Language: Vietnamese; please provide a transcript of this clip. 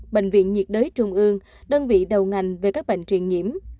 bệnh viện nhiệt đới trung ương đơn vị đầu ngành về các bệnh truyền nhiễm